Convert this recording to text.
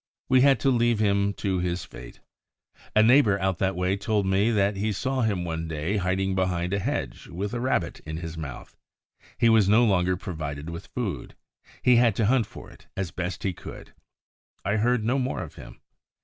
We had to leave him to his fate. A neighbor out that way told me that he saw him one day hiding behind a hedge with a rabbit in his mouth. He was no longer provided with food; he had to hunt for it as best he could. I heard no more of him.